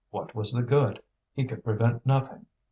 What was the good? he could prevent nothing.